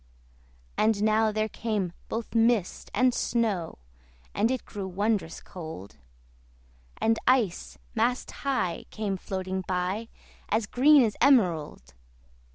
And now there came both mist and snow, And it grew wondrous cold: And ice, mast high, came floating by, As green as emerald.